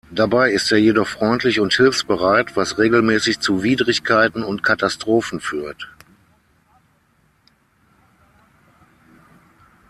Dabei ist er jedoch freundlich und hilfsbereit, was regelmäßig zu Widrigkeiten und Katastrophen führt.